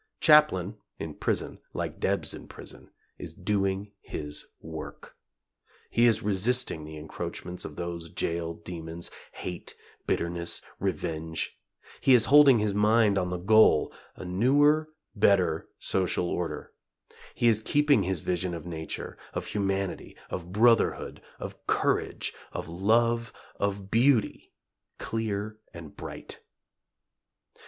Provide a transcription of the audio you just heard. Chaplin, in prison, like Debs in prison, is doing his work. He is resisting the encroachments of those jail demons hate, bitterness, revenge; he is holding his mind on the goal a newer, better social order; he is keeping his vision of nature, of humanity, of brotherhood, of courage, of love, of beauty, clear and bright.